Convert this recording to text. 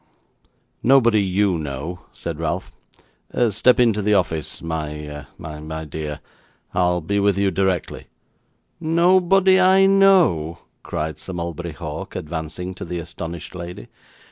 'Nobody YOU know,' said Ralph. 'Step into the office, my my dear. I'll be with you directly.' 'Nobody I know!' cried Sir Mulberry Hawk, advancing to the astonished lady.